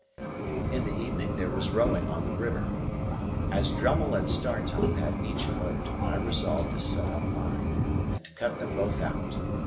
In the evening there was rowing on the river. As Drummle and Startop had each a boat, I resolved to set up mine, and to cut them both out.